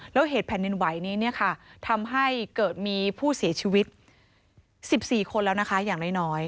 แล้วเหตุแผ่นดินไหวนี้ทำให้เกิดมีผู้เสียชีวิต๑๔คนแล้วนะคะอย่างน้อย